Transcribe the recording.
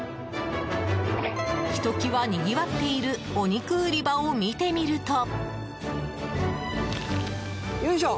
ひと際にぎわっているお肉売り場を見てみると。